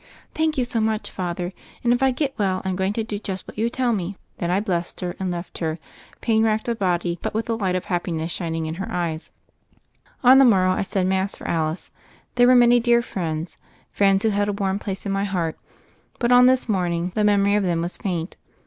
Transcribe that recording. "Thank you so much. Father. And if I get well, I'm going to do just what you tell me." Then I blessed her, and left her, pain racked of body, but with the light of happiness shining in her eyes. On the morrow I said Mass for Alice. There were many dear friends, friends who held a warm place in my heart, but on this morning 192 THE FAIRY OF THE SNOWS the memory of them was faint.